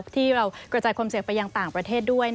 ที่เรากระจายความเสี่ยงไปยังต่างประเทศด้วย